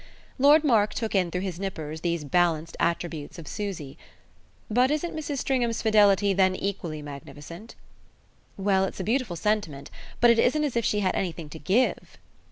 Lord Mark took in through his nippers these balanced attributes of Susie. "But isn't Mrs. Stringham's fidelity then equally magnificent?" "Well, it's a beautiful sentiment; but it isn't as if she had anything to GIVE."